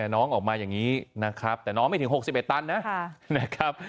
น้องออกมาอย่างนี้นะครับแต่น้องไม่ถึง๖๑ตันนะครับ